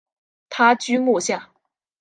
他居墓下。